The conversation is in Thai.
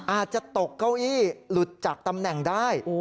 อาจจะตกเก้าอี้หลุดจากตำแหน่งได้